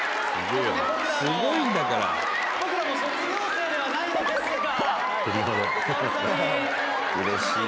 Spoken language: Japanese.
「僕らも卒業生ではないのですが」